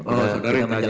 oh saudara ditanya